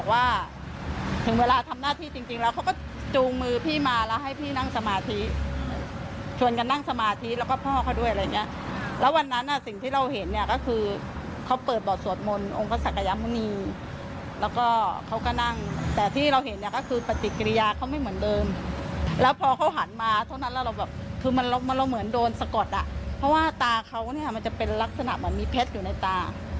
ว่าตาเขามันจะเป็นลักษณะเหมือนมีเพชรอยู่ในตา